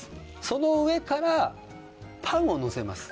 その上からパンをのせます。